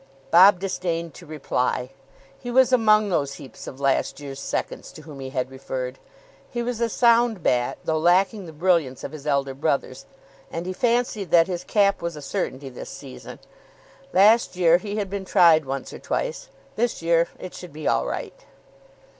Bob disdained to reply. He was among those heaps of last year's seconds to whom he had referred. He was a sound bat, though lacking the brilliance of his elder brothers, and he fancied that his cap was a certainty this season. Last year he had been tried once or twice. This year it should be all right.